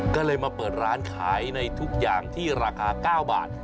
ก็เลยมาเปิดร้านขายในทุกอย่างที่ราคา๙บาท